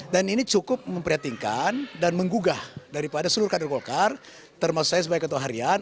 dan ini cukup memperhatikan dan menggugah daripada seluruh kader golkar termasuk saya sebagai ketua harian